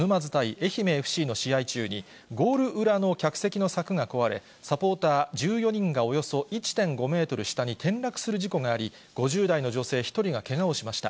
愛媛ＦＣの試合中にゴール裏の客席の柵が壊れ、サポーター１４人がおよそ１．５メートル下に転落する事故があり、５０代の女性１人がけがをしました。